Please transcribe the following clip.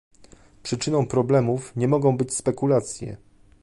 Przyczyną problemów nie mogą być spekulacje